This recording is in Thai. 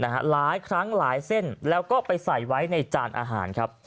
หลายครั้งหลายเส้นแล้วก็ไปใส่ไว้ในจานอาหารครับ